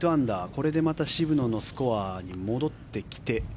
これでまた渋野のスコアに戻ってきて。